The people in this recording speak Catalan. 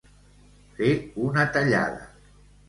Fer una tallada.